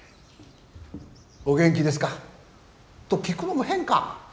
お元気ですか？と聞くのも変か。